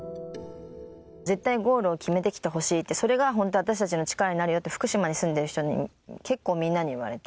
絶対ゴールを決めてきてほしいって、それが本当、私たちの力になるよって福島に住んでる人に、結構みんなにいわれて。